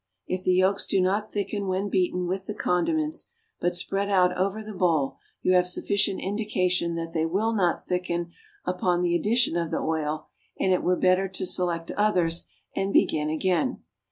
If the yolks do not thicken when beaten with the condiments, but spread out over the bowl, you have sufficient indication that they will not thicken upon the addition of the oil, and it were better to select others and begin again.